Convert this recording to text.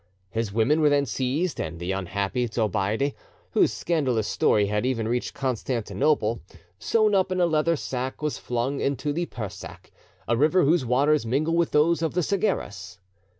His women were then seized, and the unhappy Zobeide, whose scandalous story had even reached Constantinople, sewn up in a leather sack, was flung into the Pursak—a river whose waters mingle with those of the Sagaris.